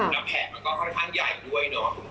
แล้วแผนมันก็ค่อนข้างใหญ่ด้วยเนาะ